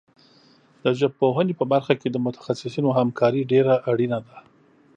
د ژبپوهنې په برخه کې د متخصصینو همکاري ډېره اړینه ده.